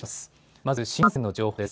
まず新幹線の情報です。